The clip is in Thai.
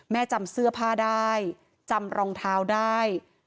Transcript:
จำเสื้อผ้าได้จำรองเท้าได้